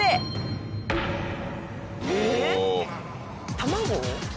卵？